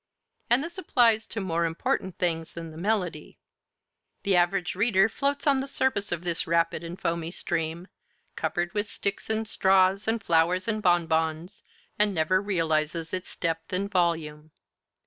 And this applies to more important things than the melody. The average reader floats on the surface of this rapid and foamy stream, covered with sticks and straws and flowers and bonbons, and never realizes its depth and volume.